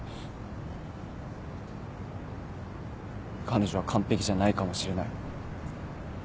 彼女は完璧じゃないかもしれない。